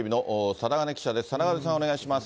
貞包さん、お願いします。